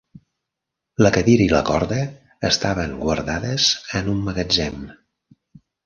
La cadira i la corda estaven guardades en un magatzem.